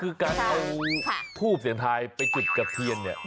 คือการพูดเสียงท้ายไปจุดกับเตียน